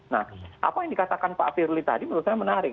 nah apa yang dikatakan pak firly tadi menurut saya menarik